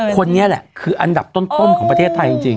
คนนี้แหละคืออันดับต้นของประเทศไทยจริง